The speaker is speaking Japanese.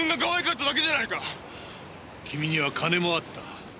君には金もあった。